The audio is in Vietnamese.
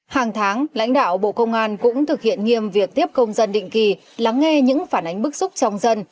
hàng tháng lãnh đạo bộ công an cũng thực hiện nghiêm việc tiếp công dân định kỳ lắng nghe những phản ánh bức xúc trong dân